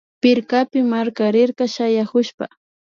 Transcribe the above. Pirkapi markarirka shayakushpa